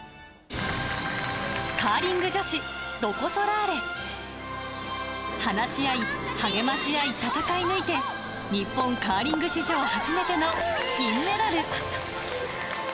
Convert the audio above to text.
カーリング女子、ロコ・ソラーレ。話し合い、励まし合い、戦い抜いて、日本カーリング史上初めての銀メダル。